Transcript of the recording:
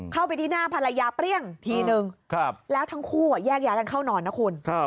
เข้าไปที่หน้าภรรยาเปรี้ยงทีนึงแล้วทั้งคู่แยกย้ายกันเข้านอนนะคุณ